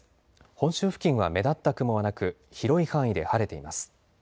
本州付近は目立った雲はなく広い範囲で晴れています。